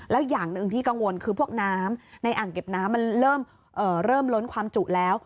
แล้วอย่างหนึ่งที่กังวลคือพวกน้ำในอ่างเก็บน้ำมันเริ่มล้นความจุแล้ว